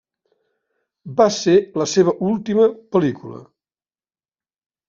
Va ser la seva última pel·lícula.